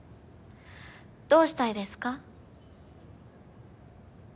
どうしたいですか？